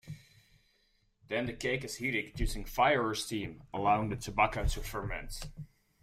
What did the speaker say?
Then the cake is heated using fire or steam, allowing the tobacco to ferment.